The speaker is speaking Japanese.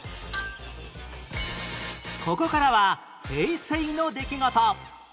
ここからは平成の出来事